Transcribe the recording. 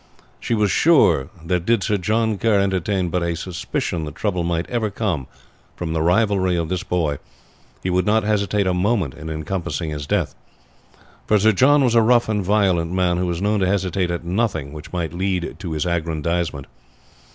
She was sure that did Sir John Kerr entertain but a suspicion that trouble might ever come from the rivalry of this boy, he would not hesitate a moment in encompassing his death; for Sir John was a rough and violent man who was known to hesitate at nothing which might lead to his aggrandizement.